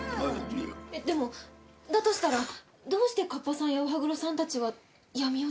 でもだとしたらどうして河童さんやお歯黒さんたちは闇落ちを？